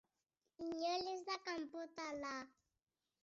Inor ez da kanpotarra.